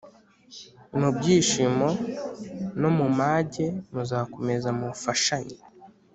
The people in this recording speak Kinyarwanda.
mu byishimo no mu mage muzakomeze mufashanye